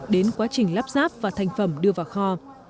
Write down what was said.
đến quá trình lắp ráp và thành phẩm đưa vào kho